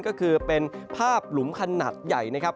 ก็คือเป็นภาพหลุมขนาดใหญ่นะครับ